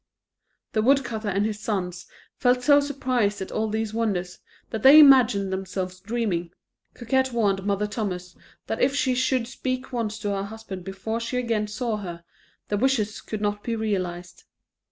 The woodcutter and his sons felt so surprised at all these wonders, that they imagined themselves dreaming. Coquette warned Mother Thomas that if she should speak once to her husband before she again saw her, the wishes could not be realized.